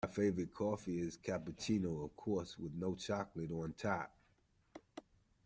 My favourite coffee is cappuccino, of course with no chocolate on the top